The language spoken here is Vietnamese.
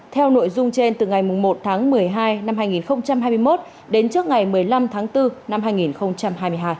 theo nội dung trên từ ngày một tháng một mươi hai năm hai nghìn hai mươi một đến trước ngày một mươi năm tháng bốn năm hai nghìn hai mươi hai